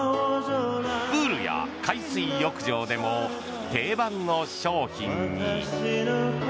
プールや海水浴場でも定番の商品に。